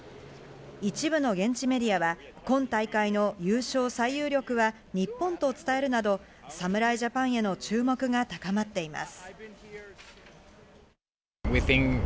一部の現地メディアは今大会の優勝最有力は日本と伝えるなど、侍ジャパンへの注目が高まっています。